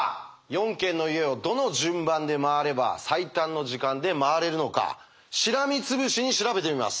４軒の家をどの順番で回れば最短の時間で回れるのかしらみつぶしに調べてみます。